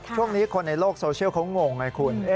ช่วงนี้คนในโลกโซเชียลเขางงไงคุณ